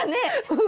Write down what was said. うん！